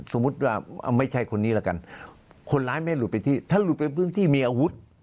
สมมุติว่าไม่ใช่คนนี้ละกันคนร้ายไม่หลุดไปที่ถ้าหลุดไปพื้นที่มีอาวุธ